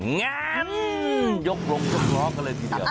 งั้นยกลงรกเลยทีเดียว